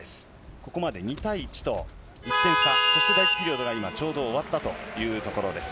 ここまで２対１と１点差、そして第１ピリオドがちょうど終わったというところです。